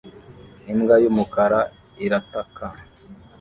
Imbwa y'umukara irataka